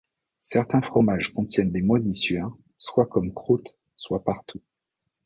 Certains fromages contiennent des moisissures, soit comme croûte, soit partout.